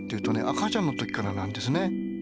赤ちゃんの時からなんですね。